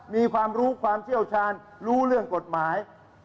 มีความรู้ความเชี่ยวชาญรู้เรื่องกฎหมาย